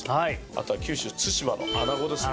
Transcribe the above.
あとは九州対馬のアナゴですね。